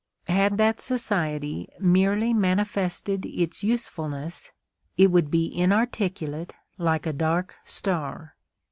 Had that Society merely manifested its usefulness, it would be inarticulate like a dark star.